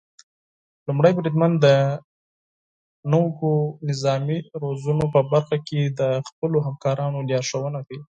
لومړی بریدمن د نويو نظامي روزنو په برخه کې د خپلو همکارانو لارښونه کوي.